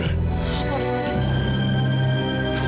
aku harus pergi sekarang